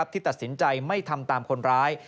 ที่ตัดสินใจไม่ทำตามคนร้าย